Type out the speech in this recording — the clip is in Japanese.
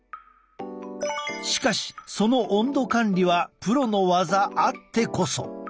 しかしその温度管理はプロの技あってこそ。